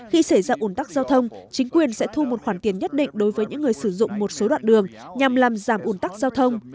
khi xảy ra ủn tắc giao thông chính quyền sẽ thu một khoản tiền nhất định đối với những người sử dụng một số đoạn đường nhằm làm giảm ủn tắc giao thông